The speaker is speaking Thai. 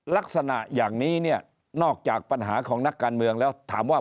ลักษณะอย่างนี้เนี่ยนอกจากปัญหาของนักการเมืองแล้วถามว่า